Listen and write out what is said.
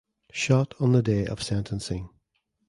Shot on the day of sentencing.